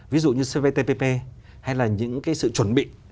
ví dụ như cptpp hay là những cái sự chuẩn bị